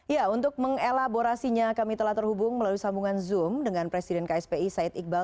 ya untuk mengelaborasinya kami telah terhubung melalui sambungan zoom dengan presiden kspi said iqbal